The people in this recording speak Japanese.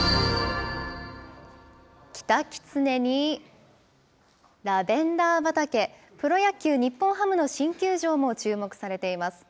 キタキツネにラベンダー畑、プロ野球・日本ハムの新球場も注目されています。